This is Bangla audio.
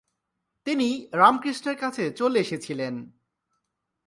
তিনি রামকৃষ্ণের কাছে চলে এসেছিলেন।